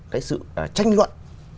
cái sự tranh luận